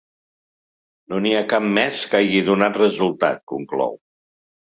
No n’hi ha cap més que hagi donat resultat, conclou.